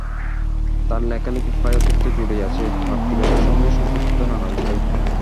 তাঁর লেখালেখির প্রায় অর্ধেকটা জুড়েই আছে মাতৃভাষার সঙ্গে সম্পর্কিত নানা বিষয়।